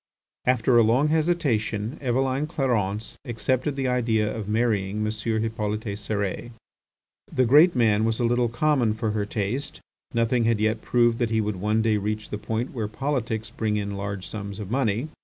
After a long hesitation Eveline Clarence accepted the idea of marrying M. Hippolyte Cérès. The great man was a little common for her taste. Nothing had yet proved that he would one day reach the point where politics bring in large sums of money.